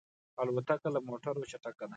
الوتکه له موټرو چټکه ده.